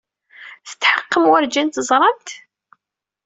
Tetḥeqqem werjin teẓramt-t?